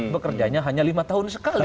bekerjanya hanya lima tahun sekali